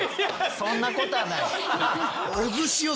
そんなことはない。